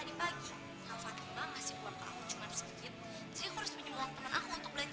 kita tuh gak akan habis kalau cuma buat beli barang kaya gini doang